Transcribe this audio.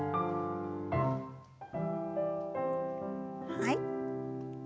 はい。